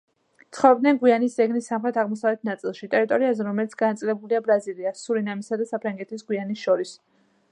ცხოვრობენ გვიანის ზეგნის სამხრეთ-აღმოსავლეთ ნაწილში, ტერიტორიაზე რომელიც განაწილებულია ბრაზილიას, სურინამსა და საფრანგეთის გვიანას შორის.